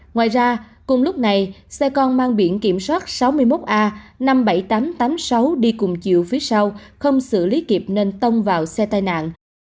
ngoài ra cùng lúc này xe con mang biển kiểm soát sáu mươi một a năm mươi bảy nghìn tám trăm tám mươi sáu đi cùng chiều phía sau không xử lý kịp nên tông vào xe tai nạn